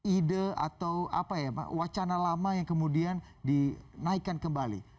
ide atau apa ya wacana lama yang kemudian dinaikkan kembali